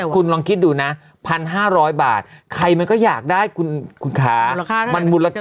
คุณลองคิดดูนะ๑๕๐๐บาทใครมันก็อยากได้คุณคะ